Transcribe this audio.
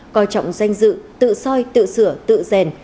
coi trọng danh dự tự soi tự sửa tự rèn